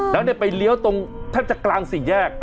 แล้วเนี่ยไปเลี้ยวตรงแทบจากกลางสิ่งแยก